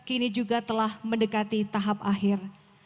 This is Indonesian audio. kini juga telah mendekati tahap akhir